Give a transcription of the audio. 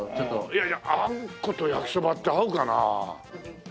いやいやあんこと焼きそばって合うかな？